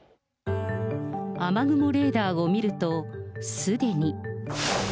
雨雲レーダーを見ると、すでに。